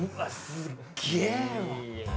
すっげえわ。